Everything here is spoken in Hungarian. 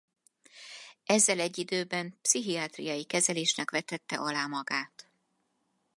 Ezzel egyidőben pszichiátriai kezelésnek vetette alá magát.